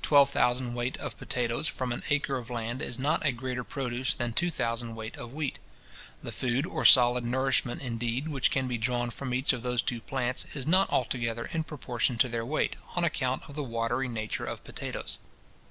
Twelve thousand weight of potatoes from an acre of land is not a greater produce than two thousand weight of wheat. The food or solid nourishment, indeed, which can be drawn from each of those two plants, is not altogether in proportion to their weight, on account of the watery nature of potatoes.